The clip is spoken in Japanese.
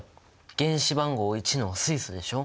原子番号１の水素でしょ。